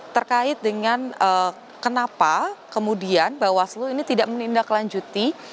terkait dengan kenapa kemudian bawaslu ini tidak menindaklanjuti